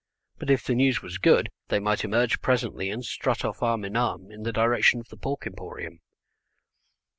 But if the news was good they might emerge presently and strut off arm in arm in the direction of the pork emporium.